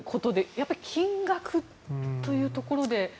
やっぱり金額というところで。